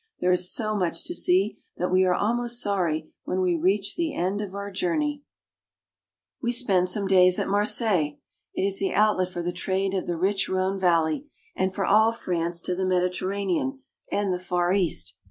There is so much to see that we are almost sorry when we reach the end of our journey. 100 FRANCE. Harbor, Marseilles. We spend some days at Marseilles. It is the outlet for the trade of the rich Rhone valley, and for all France to the Mediterranean, and the Far East.